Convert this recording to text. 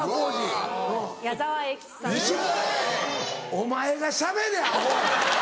お前がしゃべれアホ！